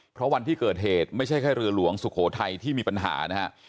เพราะวันที่เกิดเหตุไม่ใช่แค่เรือหลวงสุโขทัยที่มีปัญหานะฮะ